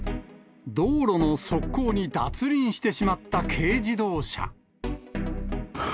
道路の側溝に脱輪してしまった軽自動車。